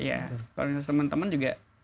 iya komunitas teman teman juga